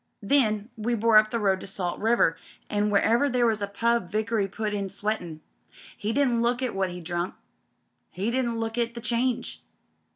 Then we bore up the road to Salt River, and wherever there was a pub Vickery put in sweatin'. He didn't look at what he drunk — ^he didn't look at the change.